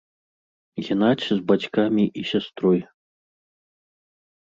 Генадзь з бацькамі і сястрой.